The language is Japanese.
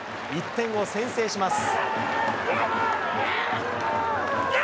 １点を先制します。